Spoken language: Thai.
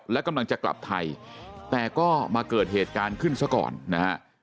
และกำลังจะกลับไทยแต่ก็มาเกิดเหตุการณ์ขึ้นซะก่อนนะฮะ